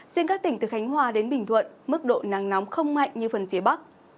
riêng các tỉnh từ khánh hòa đến bình thuận mức độ nắng nóng không mạnh như phần phía bắc